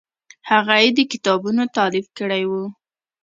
هغه یې د کتابونو تالیف کړی و.